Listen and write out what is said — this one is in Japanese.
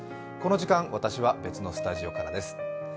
この時間、私は別のスタジオからです。